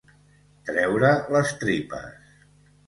Treure les tripes.